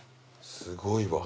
すごいわ。